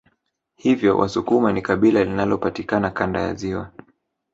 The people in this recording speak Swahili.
Hivyo wasukuma ni kabila linalopatikana Kanda ya ziwa